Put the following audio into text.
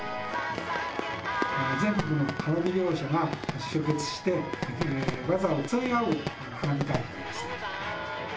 全国の花火業者が集結して、技を競い合う花火大会です。